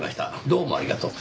どうもありがとう。